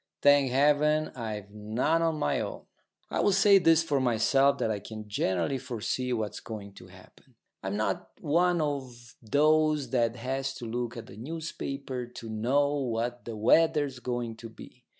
Thank Heaven, I've none of my own. I will say this for myself, that I can generally foresee what's going to happen. I'm not one of those that has to look at a newspaper to know what the weather's going to be.